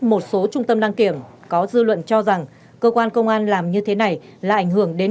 một số trung tâm đăng kiểm có dư luận cho rằng cơ quan công an làm như thế này là ảnh hưởng đến